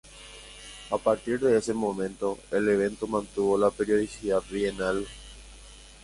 A partir de ese momento, el evento mantuvo la periodicidad bienal.